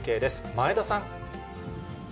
前田さん。